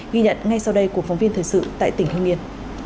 ghi nhận ngay sau đây của phóng viên thời sự tại tỉnh hưng yên